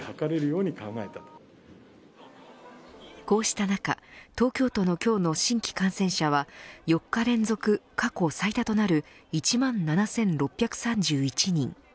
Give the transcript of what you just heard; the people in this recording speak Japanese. こうした中東京都の今日の新規感染者は４日連続、過去最多となる１万７６３１人。